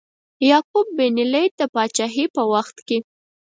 یعقوب بن لیث د پاچهۍ په وخت کې.